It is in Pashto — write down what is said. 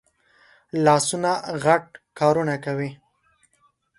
لاسونه غټ کارونه کوي